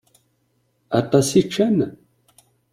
Aṭas i ččan?